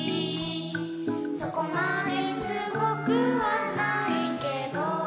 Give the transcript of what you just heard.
「そこまですごくはないけど」